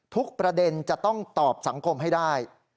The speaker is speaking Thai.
ทุกประเด็นจะต้องตอบสังคมให้ได้